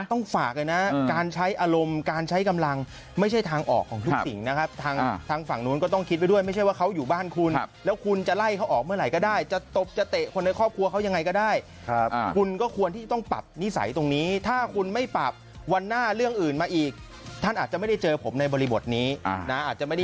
ต้องฝากเลยนะการใช้อารมณ์การใช้กำลังไม่ใช่ทางออกของทุกสิ่งนะครับทางฝั่งนู้นก็ต้องคิดไว้ด้วยไม่ใช่ว่าเขาอยู่บ้านคุณแล้วคุณจะไล่เขาออกเมื่อไหร่ก็ได้จะตบจะเตะคนในครอบครัวเขายังไงก็ได้ครับคุณก็ควรที่ต้องปรับนิสัยตรงนี้ถ้าคุณไม่ปรับวันหน้าเรื่องอื่นมาอีกท่านอาจจะไม่ได้เจอผมในบริบทนี้นะอาจจะไม่ได้